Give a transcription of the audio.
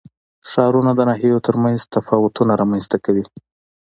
ښارونه د ناحیو ترمنځ تفاوتونه رامنځ ته کوي.